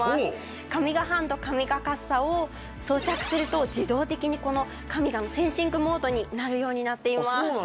カミガハンドカミガかっさを装着すると自動的にこのＫＡＭＩＧＡのセンシングモードになるようになっています。